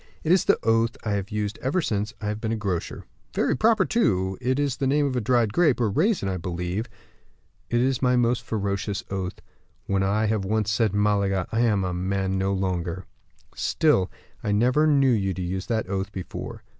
"It is the oath I have used ever since I have been a grocer." "Very proper, too; it is the name of a dried grape, or raisin, I believe?" "It is my most ferocious oath; when I have once said Malaga! I am a man no longer." "Still, I never knew you use that oath before."